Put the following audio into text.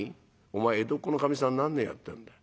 「お前江戸っ子のかみさん何年やってんだ。